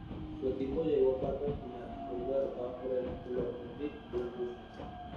Su equipo llegó a cuartos de final, siendo derrotados por el Lokomotiv Kuban ruso.